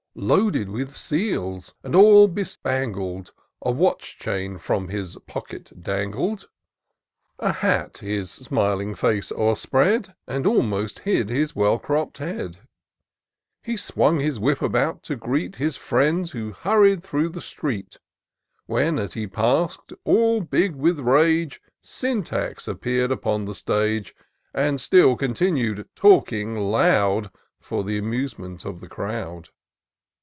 Loaded with seals, and all bespangled, A watch chain from his pocket dangled ; His hat a smiling face o'erspread. And almost hid his well cropp'd head : He swung his whip about, to greet His friends who hurried through the street; IN SEARCH OF THE PICTURESQUE. 225 When as he pass'd, all big with rage Syntax appear'd upon the stage, And still continued talking loud For the amusement of the crowd.